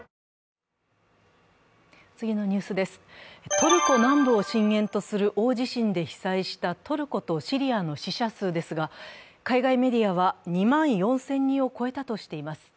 トルコ南部を震源とする大地震で被災したトルコとシリアの死者数ですが、海外メディアは、２万４０００人を超えたとしています。